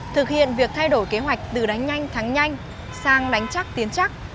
thực hiện việc thay đổi kế hoạch từ đánh nhanh thắng nhanh sang đánh chắc tiến chắc